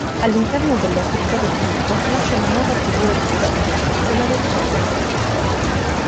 All'interno delle attività del gruppo nasce una nuova figura di docente, quella del trainer.